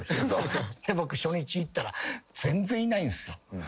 僕初日行ったら全然いないんすよ。